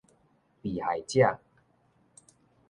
被害者